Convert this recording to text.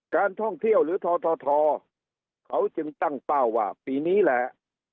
การท่องเที่ยวหรือททเขาจึงตั้งเป้าว่าปีนี้แหละ